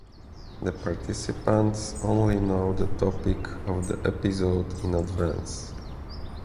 The participants only know the topic of the episode in advance.